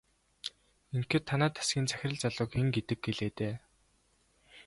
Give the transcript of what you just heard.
Ингэхэд танай тасгийн захирал залууг хэн гэдэг гэлээ дээ?